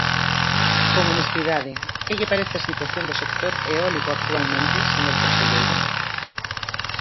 Con honestidade, ¿que lle parece a situación do sector eólico actualmente, señor conselleiro?